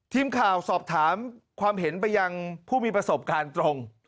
ทีมข่าวสอบถามความเห็นไปยังผู้มีประสบการณ์ตรง